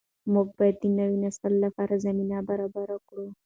موږ باید د نوي نسل لپاره زمینه برابره کړو.